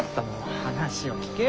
話を聞けよ。